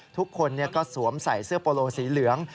ทุกคนก็สวมใส่เสื้อโปโลสีเหลือง